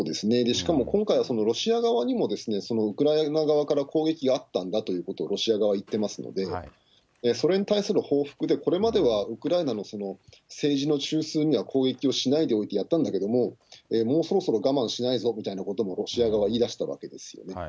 しかも今回はロシア側にも、ウクライナ側から攻撃があったんだということをロシア側、言ってますので、それに対する報復で、これまではウクライナの政治の中枢には攻撃をしないでおいてやったんだけども、もうそろそろ我慢しないぞみたいなこともロシア側、言いだしてるわけですよね。